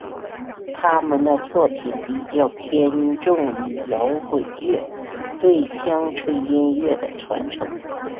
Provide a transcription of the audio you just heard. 他们的作品比较偏重于摇滚乐对乡村音乐的传承。